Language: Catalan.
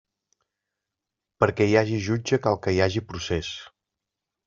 Perquè hi hagi jutge, cal que hi hagi procés.